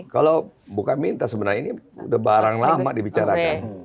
kalau buka minta sebenarnya ini udah barang lama dibicarakan